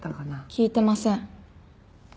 聞いてません。